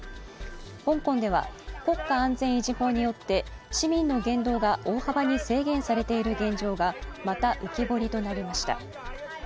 香港では国家安全維持法によって市民の言動が大幅に制限されている現状がまた浮き彫りとなりました。